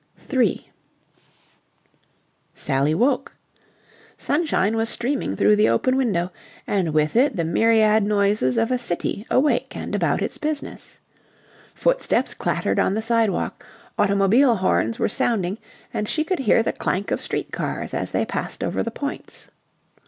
3 Sally woke. Sunshine was streaming through the open window, and with it the myriad noises of a city awake and about its business. Footsteps clattered on the sidewalk, automobile horns were sounding, and she could hear the clank of street cars as they passed over the points.